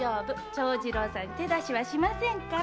長次郎さんに手出しはしませんから！